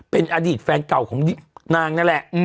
เป็นอดีตแฟนเก่าของนางนั่นแหละ